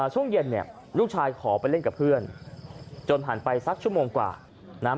ช่วงเย็นเนี่ยลูกชายขอไปเล่นกับเพื่อนจนผ่านไปสักชั่วโมงกว่านะฮะ